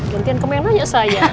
gantian kemenanya saya